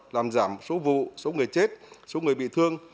làm giảm số vụ số người chết số người bị thương